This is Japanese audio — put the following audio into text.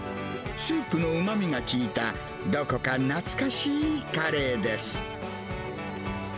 スープのうまみが効いた、どこか懐かしいカレーです。